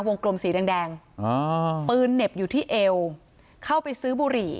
กลมสีแดงแดงปืนเหน็บอยู่ที่เอวเข้าไปซื้อบุหรี่